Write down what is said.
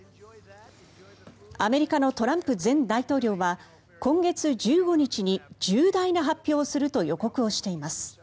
アメリカのトランプ前大統領は今月１５日に重大な発表をすると予告をしています。